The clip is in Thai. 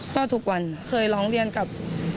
ก็ทุกวันเคยร้องเรียนกับ